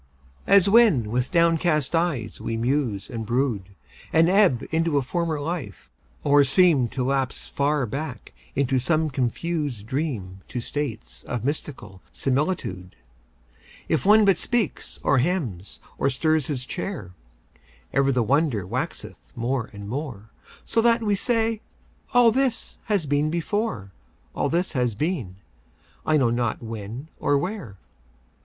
As when with downcast eyes we muse and brood, And ebb into a former life, or seem To lapse far back in some confused dream To states of mystical similitude; If one but speaks or hems or stirs his chair, Ever the wonder waxeth more and more, So that we say, "All this hath been before, All this hath been, I know not when or where".